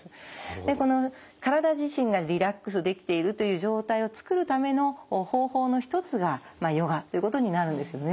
でこの体自身がリラックスできているという状態をつくるための方法の一つがヨガっていうことになるんですね。